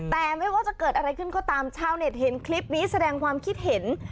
แต่ไม่ว่าจะเกิดอะไรขึ้นก็ตามชาวเน็ตเห็นคลิปนี้แสดงความคิดเห็น